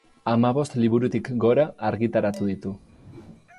Hamabost liburutik gora argitaratu ditu.